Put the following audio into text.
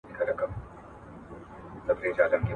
فکري بډاينه څنګه رامنځته کېدای سي؟